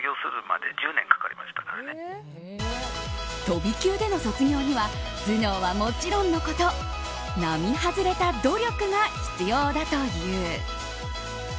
飛び級での卒業には頭脳はもちろんのこと並外れた努力が必要だという。